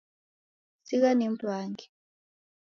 Sigha nimw'age